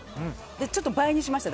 ちょっと倍にしました。